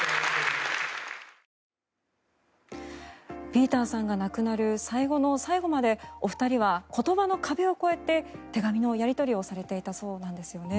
ピーターさんが亡くなる最後の最後までお二人は言葉の壁を越えて手紙のやり取りをされていたそうなんですよね。